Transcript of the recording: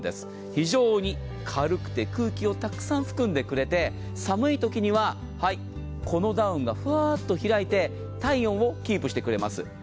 非常に軽くて空気をたくさん含んでくれて、寒いときには、このダウンがふわーっと開いて体温をキープしてくれます。